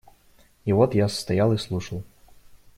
И вот я стоял и слушал.